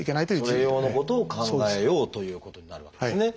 それ用のことを考えようということになるわけですね。